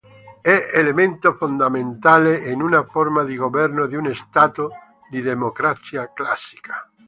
È elemento fondamentale in una forma di governo di uno Stato di democrazia classica.